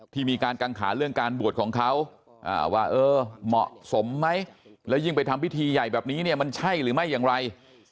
ที่มีการกังขาเรื่องการบวชของเขาว่าเออเหมาะสมไหมแล้วยิ่งไปทำพิธีใหญ่แบบนี้เนี่ยมันใช่หรือไม่อย่างไร